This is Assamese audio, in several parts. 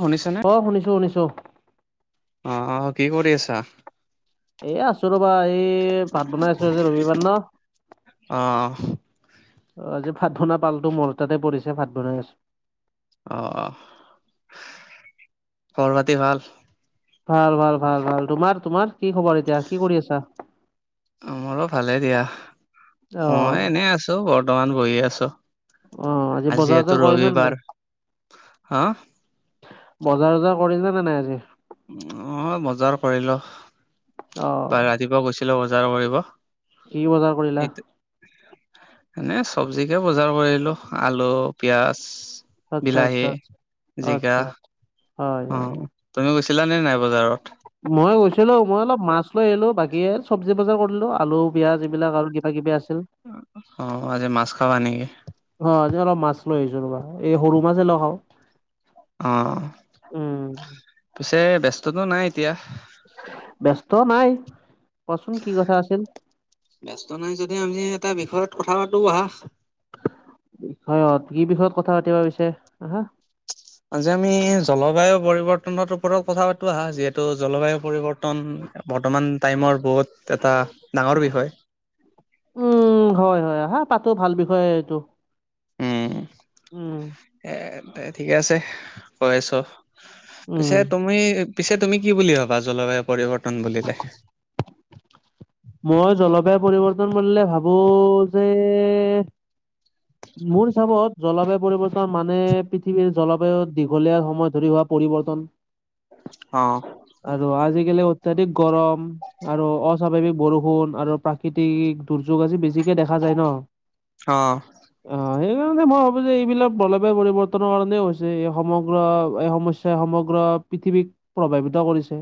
শুনিছানে? অ শুনিছো শুনিছো। অ অ কি কৰি আছা? এ আছো ৰবা এ ভাত বনাই আছো আজি ৰবিবাৰ ন। অ' অ আজি ভাত বনা পালটো মৰ তাতে পৰিছে ভাত বনাই আছো। অ অ খৰ পাতি ভাল? ভাল ভাল ভাল ভাল। তোমাৰ তোমাৰ কি খবৰ এতিয়া, কি কৰি আছা? মোৰো ভালে দিয়া, অ মই এনে আছো বৰ্তমান বহি আছো। অ আজি বজাৰ যিহেতু জাৰ কৰিছা না ৰবিবাৰ নাই? হা বজাৰ চজাৰ কৰিলে নে নাই আজি? অ বজাৰ কৰিলো অ বা ৰাতিপুৱা গৈছিলো বজাৰ কৰিব। কি বজাৰ কৰিলা? [inaudible] এনে চব্জিকে বজাৰ কৰিলো আলু, পিয়াজ। আচ্ছা বিলাহী, আচ্ছা আচ্ছা জিকা। আচ্ছা, হয় অ হয় তুমি গৈছিলানে নাই বজাৰত? মই গৈছিলো মই অলপ মাছ লৈ আহিলো বাকী চব্জি বজাৰ কৰিলো আলু, পিয়াজ এইবিলাক আৰু কিবা কিবি আছিল। অ আজি মাছ খাবা নেকি? অ এনে অলপ মাছ লৈ আহিছো ৰবা, এই সৰু মাছে ল খাওঁ। অ উম পিছে ব্যস্ততো নাই এতিয়া? ব্যস্ত নাই, কোৱাচোন কি কথা আছিল? ব্যস্ত নাই যদি আমি এটা বিষয়ত কথা পাতো আহা। বিষয়ত কি বিষয়ত কথা পাতিবা পিছে আহা। আজি আমি জলবায়ু পৰিৱৰ্তনৰ ওপৰত কথা পাতো আহা যিহেতু জলবায়ু পৰিৱৰ্তন বৰ্তমান টাইমৰ বহুত এটা ডাঙৰ বিষয়। উম হয় হয় আহা পাতো ভাল বিষয়ে এইটো। উম। উম। এ দে ঠিকে আছে কৈ আছো পিছে উম তুমি পিছে তুমি কি বুলি ভবা জলবায়ু পৰিৱৰ্তন বুলিলে? মই জলবায়ু পৰিৱৰ্তন বুলিলে ভাবো যে [inaudible] মোৰ হিচাপত জলবায়ু পৰিৱৰ্তন মানে পৃথিৱীৰ জলবায়ু দীঘলীয়া সময় ধৰি হোৱা পৰিৱৰ্তন। অ। আৰু আজিকালি অত্যাধিক গৰম আৰু অস্বাভাৱিক বৰষুণ আৰু প্ৰাকৃতিক দুৰ্যোগ আজি বেছিকে দেখা যায় ন অ। অ সেইকাৰণে মই ভাবো যে এইবিলাক বলবায়ু পৰিৱৰ্তনৰ কাৰণে হৈছে এই সমগ্ৰ এই সমস্য- থে সমগ্ৰ পৃথিৱীক প্ৰভাৱিত কৰিছে।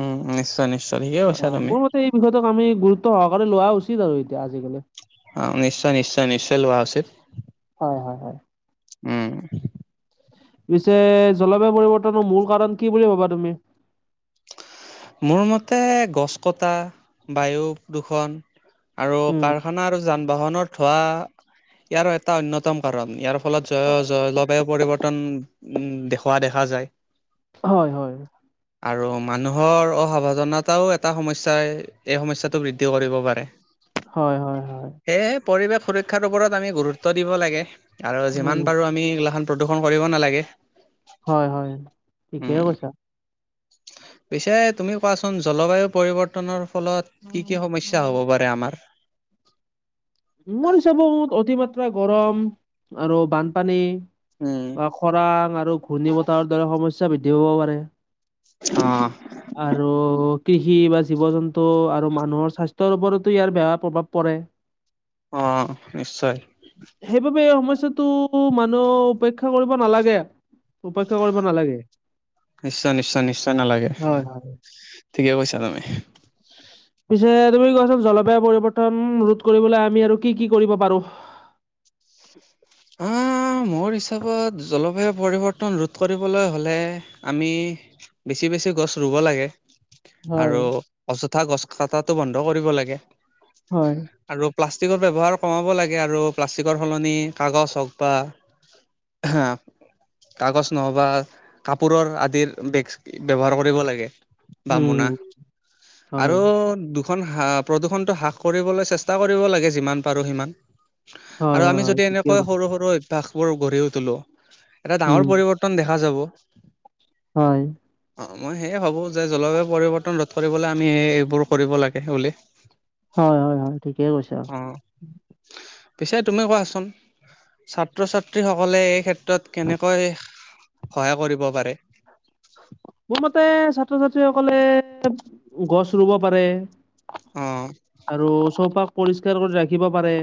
উম উ নিশ্চয় নিশ্চয় ঠিকেইে অ কৈছা তুমি। মোৰ মতে এই বিষয়টোক আমি গুৰুত্ব সহকাৰে লোৱা উচিত আৰু এতিয়া আজিকালি। অ নিশ্চয় নিশ্চয় নিশ্চয় লোৱা উচিত। হয় হয় হয়। উম। পিছে জলবায়ু পৰিৱৰ্তন মূল কাৰণ কি বুলি ভাবা তুমি? মোৰ মতে গছ কটা বায়ু প্ৰদূষণ আৰু উম কাৰখানা আৰু যান বাহনৰ ধোঁৱা ইয়াৰো এটা অন্যতম কাৰণ, ইয়াৰ ফলত জয় জলবায়ু পৰিৱৰ্তন উ দেখুওৱা দেখা যায়। হয় হয়। আৰু মানুহ ভৰ অসাৱধানতাও এটা সমস্যাই এই সমস্যাটো বৃদ্ধি কৰিব পাৰে। হয় হয়। হয় সেয়েহে পৰিবেশ সুৰক্ষাৰ ওপৰত আমি গুৰুত্ব দিব লাগে আৰু উম যিমান পাৰো আমি এগলাখন প্ৰদূষণ কৰিব নালাগে। হয় হয় ঠিকে উম কৈছা। পিছে তুমি কোৱাচোন জলবায়ু পৰিৱৰ্তনৰ ফলত কি কি সমস্যা হ'ব পাৰে আমাৰ? মোৰ হিচাপত অতিমাত্ৰা গৰম আৰু বানপানী উম বা খৰাং আৰু ঘূৰ্ণী বতাহৰ দৰে সমস্যা বৃদ্ধি পাব পাৰে। অঁ। আৰু কৃষি বা জীৱ জন্তু আৰু মানুহৰ স্বাস্থ্যৰ ওপৰতো ইয়াৰ বেয়া প্ৰভাৱ পৰে। অ নিশ্চয়। সেইবাবে এই সমস্যাটো মানুহ উপেক্ষা কৰিব নালাগে উপেক্ষা কৰিব নালাগে। নিশ্চয় নিশ্চয় নিশ্চয় নালাগে, হয় হয়। ঠিকে কৈছা তুমি। পিছে তুমি কোৱাচোন জলবায়ু পৰিৱৰ্তন ৰোধ কৰিবলে আমি আৰু কি কি কৰিব পাৰো? হা অঁ মোৰ হিচাপত জলবায়ু পৰিৱৰ্তন ৰোধ কৰিবলৈ হ'লে আমি বেছি বেছি গছ ৰুব লাগে। হয় আৰু অযথা গছ কটাটো বন্ধ কৰিব লাগে। হয়। আৰু প্লাষ্টিকৰ ব্যৱহাৰ কমাব লাগে আৰু প্লাষ্টিকৰ সলনি কাগজ হওক বা হা। কাগজ নহবা কাপোৰৰ আদিৰ বেগ ব্যৱহাৰ কৰিব লাগে। বা উম মোনা হুম হয় আৰু খন হা প্ৰদূষণটো হ্ৰাস কৰিবলৈ চেষ্টা কৰিব লাগে যিমান পাৰোঁ সিমান। হয় আৰু হয় আমি হয় যদি এনে ঠিকে কৈছা সৰু সৰু অভ্যাসবোৰ গঢ়িও তুলো, এটা উম। ডাঙৰ পৰিৱৰ্তন দেখা যাব। হয়। অঁ মই সেয়ে ভাবোঁ যে জলবায়ু পৰিৱৰ্তন ৰোধ কৰিবলে আমি এইবোৰ কৰিব লাগে বুলি। [inaudible] হয় হয় হয় ঠিকেই কৈছা। অ পিছে তুমি কোৱাচোন ছাত্ৰ ছাত্ৰী সকলে এই ক্ষেত্ৰ তত কেনেকৈ সহায় কৰিব পাৰে? মোৰ মতে ছাত্ৰ ছাত্ৰীসকলে গছ ৰুব পাৰে। অ আৰু চৌপাশ পৰিষ্কাৰ কৰি ৰাখিব পাৰে।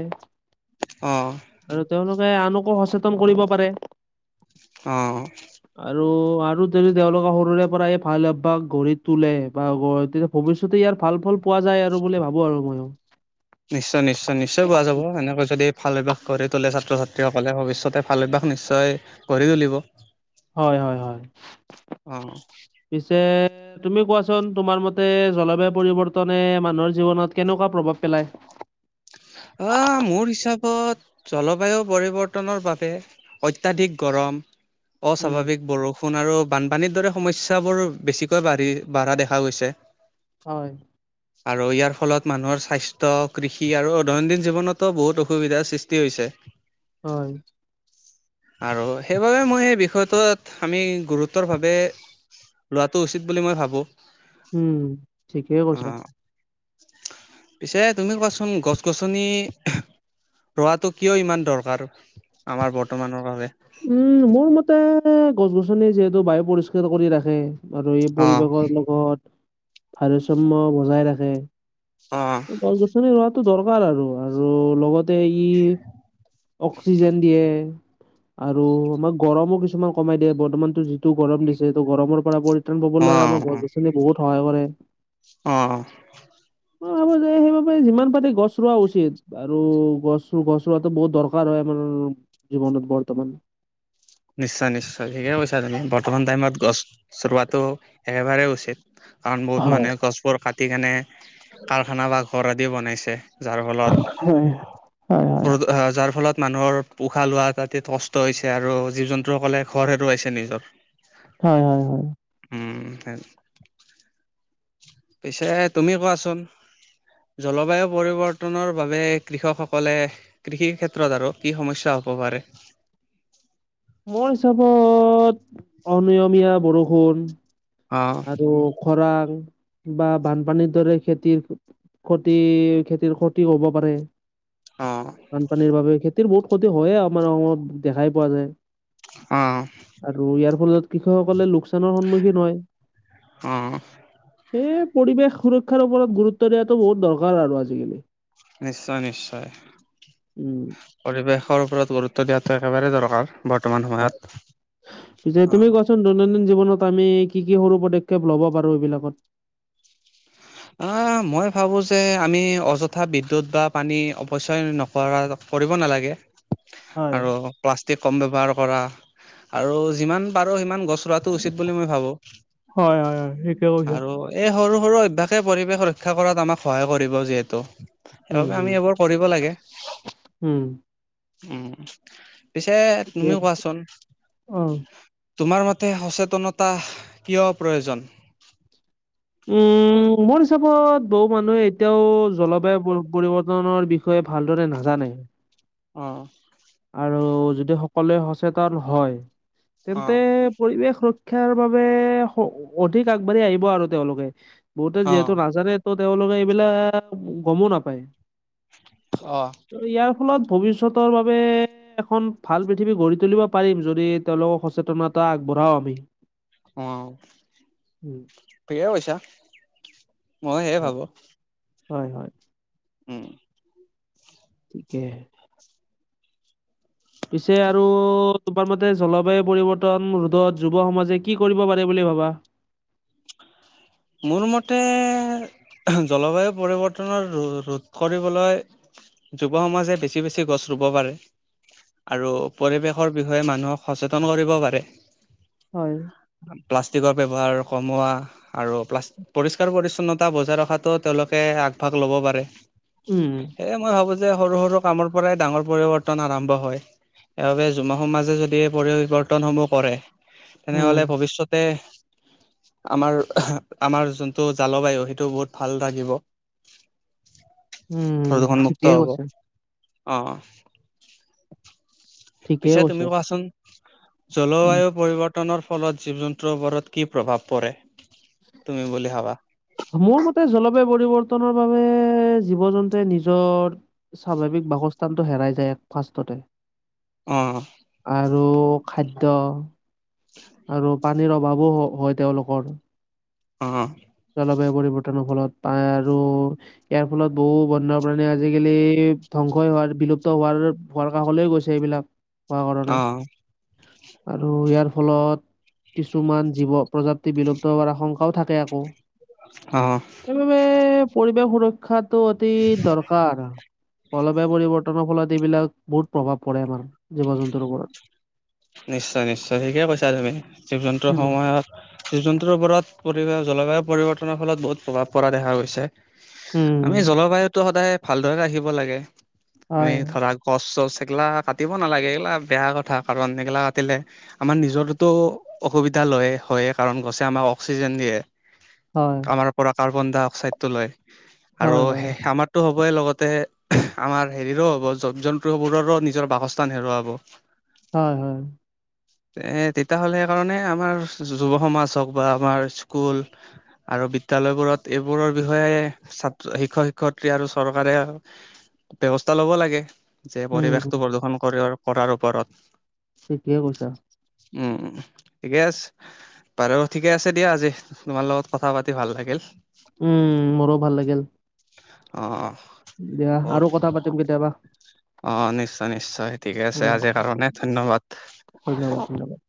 অঁ। আৰু তেওঁলোকে আনকো সচেতন কৰিব পাৰে অঁ আৰু আৰু দ তেওঁলোকে সৰুৰে পৰা এই ভাল অভ্যয়াস গঢ়ি তোলে বা তেতিয়া ভৱিষ্যতে ইয়াৰ ভাল ফল পোৱা যায় আৰু ব বুলি ভাবো আৰু মই নিশ্চয় নিশ্চয় নিশ্চয় পোৱা যাব সেনেকৈ যদি ভাল এবাস কৰি তোলে ছাত্ৰ ছাত্ৰীসকলে ভৱিষ্যতে ভাল অভ্যাস নিশ্চয় গঢ়ি তুলিব হয় হয় হয় অ পিছে তুমি কোৱাচোন তোমাৰ মতে জলবায়ু পৰিৱৰ্তনে মানুহৰ জীৱনত কেনেকুৱা প্ৰভাৱ পেলায় অ মোৰ হিচাপত জলবায়ু পৰিৱৰ্তনৰ বাবে অত্যাধিক গৰম উম অস্বাভাৱিক বৰষুণ ষুণ আৰু বানপানীৰ দৰে সমস্যাবোৰ বেছিকৈ বাঢ়ি বাঢ়া দেখা গৈছে হয় আৰু ইয়াৰ ফলত মানুহৰ স্বাস্থ্য কৃষি আৰু দৈনন্দিন জীৱনতো বহুত অসুবিধাৰ সৃষ্টি হৈছে হয় আৰু সেইবাবে মই সেই বিষয়টোত আমি গুৰুত্বৰভাৱে লোৱাটো উচিত বুলি মই ভাবোঁ উম ঠিকে কৈছা পিছে তুমি কোৱাচোন গছ গছনি ৰোৱাটো কিয় ইমান দৰকাৰ আমাৰ বৰ্তমানৰ বাবে উম মোৰ মতে গছ গছনি যিহেতু বায়ু পৰিষ্কাৰ কৰি ৰাখে আৰু এই অ পৰিৱেশৰ লগত ভাৰসাম্ বজাই ৰাখে অ গল গছনি ৰোৱাটো দৰকাৰ আৰু আৰু লগতে এইখিনি অক্সিজেন দিয়ে আৰু আমাক গৰমো কিছুমান কমাই দিয়ে বৰ্তমানতো যিটো গৰম দিছে ত গৰমৰ পৰা পৰি ান অ পাববলৈ আমাৰ গছ গছনি বহুত সহায় কৰে অ অ দে যিমান পাতে গছ ৰোৱা উচিত আৰু গছ গছ ৰোৱাাতো বহুত দৰকাৰ হয় আানাৰ জীৱনত বৰ্তমান নিশ্চয় নিশ্চয় ঠিকে কৈছা তুমি বৰ্তমান টাইমত গছ চলোৱাটো একেবাৰেেই উচিত কাৰণ বহুত হয় মানুহে গছবোৰ কাটি কেনে কাৰখানা বা ঘৰ আদি বনাইছে যাৰ ফলত হয় হয় হয় ব যাৰ ফলত মানুহৰ উোশাহ লোৱা তাতে কষ্ট হৈছে আৰু জীৱ জন্তুসকলে ঘৰ হেৰুৱাইছে নিজৰ হয় হয় হয় উম স পিছে তুমি কোৱাচোন জলবায়ু পৰিৱৰ্তনৰ বাবে কৃষকসকলে কৃষিৰ ক্ষেত্ৰত আৰু কি সমস্যা হ'ব পাৰে মোৰ হিচাপত অনিয়মীয়া বৰষুণ অ', আৰু খৰাং বা বানপানীৰ দৰে খেতিৰ ক্ষতিৰ খেতিৰ ক্ষতিও হ'ব পাৰে। অ', বানপানীৰ বাবে খেতিৰ বহুত ক্ষতি হয়ে আমাৰ অসমত দেখাই পোৱা যায়। অ আৰু ইয়াৰ ফলত কৃষকসকলে লোকচানৰ সন্মুখীন হয়। অ এ পৰিৱেশ সুৰক্ষাৰ ওপৰত গুৰুত্ব দিয়াটো বহুত দৰকাৰ আৰু আজি-কালি। নিশ্চয় নিশ্চয় উম পৰিৱেশৰ ওপৰত গুৰুত্ব দিয়াটো একেবাৰে দৰকাৰ। বৰ্তমান হয় সময়ত। পিছে তুমি অ', কোৱাচো চোন দৈনন্দিন জীৱনত আমি কি কি সৰু পদক্ষেপ লব পাৰো এইবিলাকত অ মই ভাবো যে আমি অযথা বিদ্যুৎ বা পানী অপচয় নক- কৰা কৰিব নালাগে। হয় আৰু প্লাষ্টিক কম ব্যৱহাৰ কৰা আৰু যিমান পাৰো সিমান গছ ৰোৱাটো উচিত বুলি মই ভাবো হয় হয় হয় ঠিকে কৈছা আৰু এই সৰু সৰু অভ্যাসে পৰিৱেশ ৰক্ষা কৰাত আমাক সহায় কৰিব যিহেতু। উম ৰক উম আমি এইবোৰ কৰিব লাগে উম উম পিছে ঠিকে। তুমিও কোৱাচোন অ তোমাৰ মতে সচেতনতা কিয় প্ৰয়োজন? উম উ মোৰ হিচাপত বহু মানুহে এতিয়াও জলবায়ু পৰিৱৰ্তনৰ বিষয়ে ভালদৰে নাজানে। অ আৰু যদি সকলোৱে সচেতন হয় অ তেন্তে, পৰিৱেশ ৰক্ষাৰ বাবে হ অধিক আগবাঢ়ি আহিব আৰু তেওঁলোকে। বহুতে অ যিহেতু নাজানে তো তেওঁলোকে এইবিলাক গমো নাপায়। অ ত ইয়াৰ ফলত ভৱিষ্যতৰ বাবে এখন ভাল পৃথিৱী গঢ়ি তুলিব পাৰিম যদি তেওঁলোকক সচেতনতা আগবঢ়াও আমি। অ', উম, ঠিকেই কৈছা মই সেয়ে হয়, ভাবো। হয় হয় উম ঠিকে পিছে আৰু তোমাৰ মতে জলবায়ু পৰিৱৰ্তন ৰোধত যুৱ সমাজে কি কৰিব পাৰে বুলি ভাবা? মোৰ মতে জলবায়ু পৰিৱৰ্তনৰ ৰো ৰোধ কৰিবলৈ যুৱ সমাজে বেছি বেছি গছ ৰুব পাৰে। আৰু পৰিৱেশৰ বিষয়ে মানুহক সচেতন কৰিব পাৰে। হয় প্লাষ্টিকৰ ব্যৱহাৰ কমোৱা আৰু প্লাষ্ট পৰিষ্কাৰ পৰিচ্ছন্নতা বজাই ৰখাটো তেওঁলোকে আগভাগ লব পাৰে উম, সেইয়ে মই ভাবো যে সৰু সৰু কামৰ পৰাই ডাঙৰ পৰিৱৰ্তন আৰম্ভ হয়। সেইবাবে যুম সমাজে যদি পৰিৱৰ্তনসমূহ কৰে উম, তেনেহলে ভৱিষ্যতে আমাৰ আমাৰ যোনটো জালবায়ু সেইটো বহুত ভাল থাকিব। উম, প্ৰদূষণ ঠিকেই মুক্ত হ'ব কৈছে, অ'। ঠিকেই পিছে তুমি কৈছে। কোৱাচোন উম, জলবায়ু পৰিৱ- প্তনৰ ফলত জীৱ জন্তুৰ ওপৰত কি প্ৰভাৱ পৰে, তুমি বুলি ভাবা? মোৰ মতে জলবায়ু পৰিৱৰ্তনৰ বাবে জীৱ জন্তুৱে নিজৰ স্বাভাৱিক বাসস্থানটো হেৰাই যায়, এক ফাৰ্ষ্টতে। অ'। আৰু, খাদ্য আৰু পানীৰ অভাৱো হয় তেওঁলোকৰ। অ'। জলবায়ু পৰিৱৰ্তনৰ ফলত, পায় আৰু ইয়াৰ ফলত বহু বন্যপ্ৰাণী আজিকালি ধ্বংসই হোৱাৰ, বিলুপ্ত হোৱাৰ ভৰ কাষলৈ গৈছে এইবিলাক, ব ঘৰে অ আৰু ইয়াৰ ফলত, কিছুমান জীৱ প্ৰজাপি বিলুপ্ত হোৱাৰ আশংকাও থাকে আকৌ। অ'। সেইবাবে পৰিৱেশ সুৰক্ষাটো অতি দৰকাৰ। জলবায়ু পৰিৱৰ্তনৰ ফলত এইবিলাক বহুত প্ৰভাৱ পৰে আমাৰ জীৱ জন্তুৰ ওপৰত। নিশ্চয় নিশ্চয় ঠিকেই কৈছা তুমি, জীৱ জন্তুৰ উম সময়ত জীৱ জন্তুৰ ওপৰত, পৰি জলবায়ু পৰিৱৰ্তনৰ ফলত বহুত প্ৰভাৱ পৰা দেখা গৈছে। আমি উম জলবায়ুতটো সদায় ভালদৰে ৰাহিব লাগে, আমি হয় ধৰা গছ চচ সেগিলা কাটিব নালাগে, এইগিলা বেয়া কথা কাৰণ এইগিলা কাটিলে আমাৰ নিজৰতো, অসুবিধা লয় হয় কাৰণ গছে আমাক অক্সিজেন দিয়ে। অ'। আমাৰ পৰা কাৰ্বন ডাই অক্সাইড টো লয়, আৰু হয় হয় স আমাৰ টো হ'বই লগতে, আমাৰ হেৰি হ'ব জ জন্তুবোৰৰো নিজৰ বাসস্থান হেৰুৱাব। হয় হয়। এ তেতিয়াহ'লে সেইকাৰণে আমাৰ যুৱ সমাজ হ'ওক বা আমাৰ স্কুল আৰু বিদ্য়ালয়বোৰত এইবোৰৰ বিষয়ে, ছাত্ৰ শিক্ষক শিক্ষয়িত্ৰী আৰু চৰকাৰে ব্যৱস্থা লব লাগে, যে উম পৰিৱেশটো প্ৰদূষন কৰি কৰাৰ ওপৰত। ঠিকেই কৈছা। উম-উম, ঠিকে আছে। বাৰু ঠিকে আছে দিয়া, আজি তোমাৰ লগত কথা পাতি ভাল লাগিল। উম, মোৰো ভাল লাগিল। অ'। দিয়া বহুত আৰু কথা পাতিম কেতিয়াবা। অ', নিশ্চয়- নিশ্চয় ঠিকে আছে, উম আজিৰ কাৰণে ধন্যবাদ। ধন্যবাদ ধন্যবাদ।